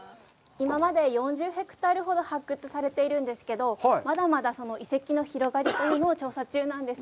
今まで４０ヘクタールほど発掘されているんですけど、まだまだ遺跡の広がりを調査中なんです。